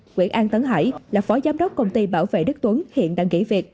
nguyễn an tấn hải là phó giám đốc công ty bảo vệ đức tuấn hiện đang nghỉ việc